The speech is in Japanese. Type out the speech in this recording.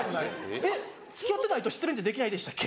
えっ付き合ってないと失恋ってできないでしたっけ？